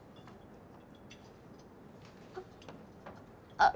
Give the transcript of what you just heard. あっ。